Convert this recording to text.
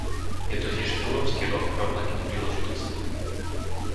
Je to tiež Európsky rok rovnakých príležitostí.